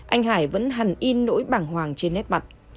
anh hải vẫn hằn in nỗi bảng hoàng trên nét mặt